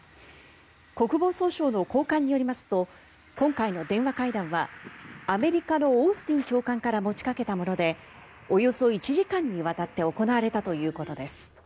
国防総省の高官によりますと今回の電話会談はアメリカのオースティン長官から持ちかけたものでおよそ１時間にわたって行われたということです。